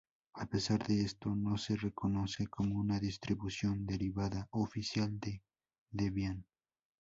A pesar de esto, no se reconoce como una distribución derivada oficial de Debian.